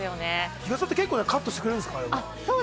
日傘って結構カットしてくれるんですか？